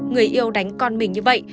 người yêu đánh con mình như vậy